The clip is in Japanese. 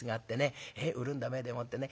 潤んだ目でもってね